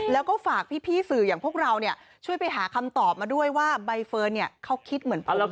แล้วก็ฝากพี่สื่ออย่างพวกเราเนี่ยช่วยไปหาคำตอบมาด้วยว่าใบเฟิร์นเนี่ยเขาคิดเหมือนผมหรือเปล่า